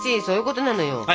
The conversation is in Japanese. そういうことなのよ。